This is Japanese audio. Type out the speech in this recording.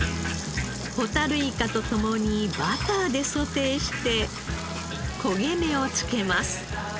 ホタルイカと共にバターでソテーして焦げ目を付けます。